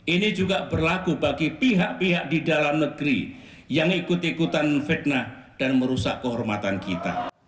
ini juga berlaku bagi pihak pihak di dalam negeri yang ikut ikutan fitnah dan merusak kehormatan kita